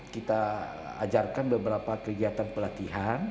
kita ajarkan beberapa kegiatan pelatihan